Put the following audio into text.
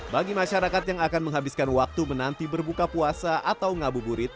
bagi masyarakat yang akan menghabiskan waktu menanti berbuka puasa atau ngabuburit